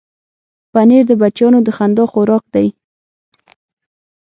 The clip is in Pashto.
پنېر د بچیانو د خندا خوراک دی.